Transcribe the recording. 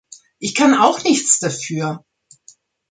Ich kann auch nichts dafür!